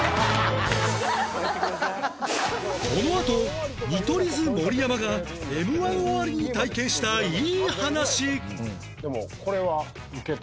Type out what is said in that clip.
このあと見取り図盛山が Ｍ−１ 終わりに体験したいい話って言われて。